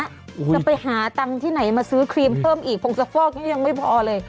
จะไปหาตังค์ที่ไหนมาซื้อครีมเพิ่มอีกพงสะฟอกนี้ยังไม่พอเลย